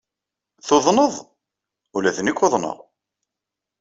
Tuḍneḍ? Ula d nekk uḍneɣ.